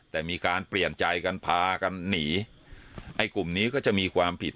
แต่มีการเปลี่ยนใจกันพากันหนีไอ้กลุ่มนี้ก็จะมีความผิด